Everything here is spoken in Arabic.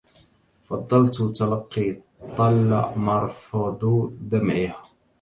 فظلت تلقى طل مرفض دمعها